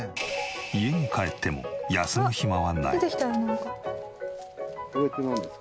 家に帰っても休む暇はない。